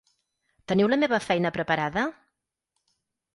Teniu la meva feina preparada?